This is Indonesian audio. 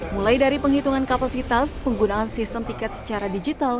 mulai dari penghitungan kapasitas penggunaan sistem tiket secara digital